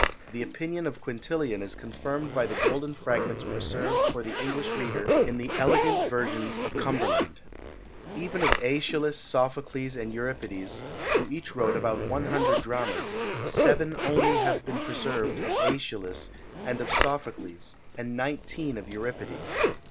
The opinion of Quintilian is confirmed by the golden fragments preserved for the English reader in the elegant versions of Cumberland. Even of Æschylus, Sophocles, and Euripides, who each wrote about one hundred dramas, seven only have been preserved of Æschylus and of Sophocles, and nineteen of Euripides.